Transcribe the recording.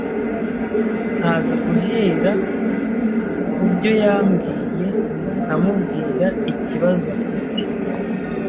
nkaza guhera ku byo yambwiye nkamubwira ikibazo afite